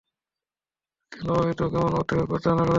কেন অহেতুক এমন অহেতুক প্রচারণা করছেন?